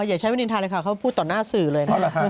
อย่าใช้วินินทาเลยค่ะเขาพูดต่อหน้าสื่อเลยนะ